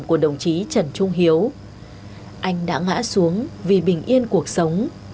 của đồng chí trần trung hiếu anh đã ngã xuống vì bình yên cuộc sống